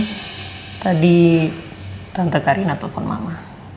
oh tadi tante karina telepon mama